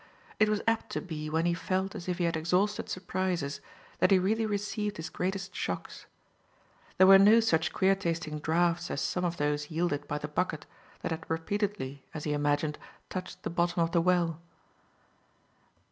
It was apt to be when he felt as if he had exhausted surprises that he really received his greatest shocks. There were no such queer tasting draughts as some of those yielded by the bucket that had repeatedly, as he imagined, touched the bottom of the well.